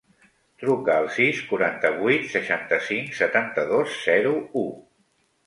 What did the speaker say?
Truca al sis, quaranta-vuit, seixanta-cinc, setanta-dos, zero, u.